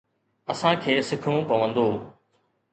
اسان کي سکڻو پوندو.